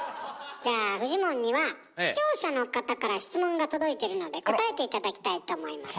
じゃあフジモンには視聴者の方から質問が届いているので答えて頂きたいと思います。